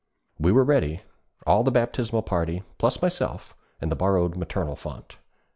We were ready, all the baptismal party, plus myself and the borrowed 'maternal font.'